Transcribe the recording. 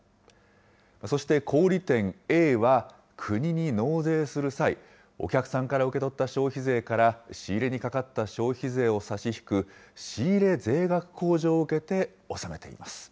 そして小売り店Ａは、国に納税する際、お客さんから受け取った消費税から仕入れにかかった消費税を差し引く仕入れ税額控除を受けて納めています。